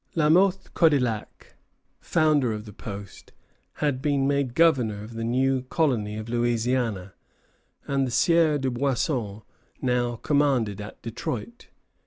La Mothe Cadillac, founder of the post, had been made governor of the new colony of Louisiana, and the Sieur Dubuisson now commanded at Detroit.